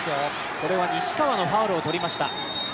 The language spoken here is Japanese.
これは西川のファウルを取りました。